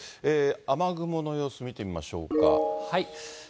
雨雲の様子を見てみましょうか。